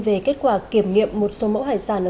về kết quả kiểm nghiệm một số mẫu hải sản